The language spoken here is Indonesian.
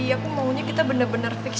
aku maunya kita bener bener fix